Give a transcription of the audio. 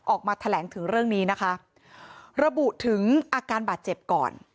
ออกมาแถลงถึงเรื่องนี้นะคะระบุถึงอาการบาดเจ็บก่อน